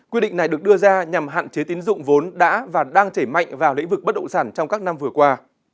quy định này được đưa ra nhằm hạn chế tín dụng vốn đã và đang chảy mạnh vào lĩnh vực bất động sản trong các năm vừa qua